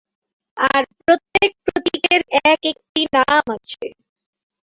আর প্রত্যেক প্রতীকের এক-একটি নাম আছে।